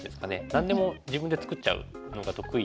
何でも自分で作っちゃうのが得意で。